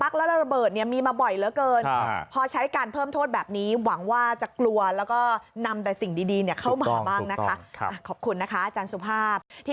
ก็นำแต่สิ่งดีเข้ามาบ้างนะครับขอบคุณนะคะอาจารย์สุภาพ